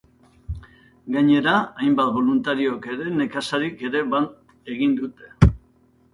Gainera, hainbat boluntariok ere nekazarik ere bat egin dute.